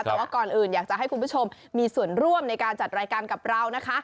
แต่ว่าก่อนอื่นอยากจะให้คุณผู้ชมมีส่วนร่วมในการจัดรายการกับเรานะคะ